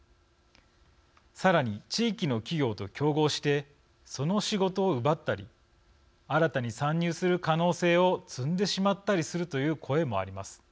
さらに、地域の企業と競合してその仕事を奪ったり新たに参入する可能性を摘んでしまったりするという声もあります。